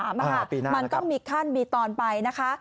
มันต้องมีขั้นมีตอนไปนะคะ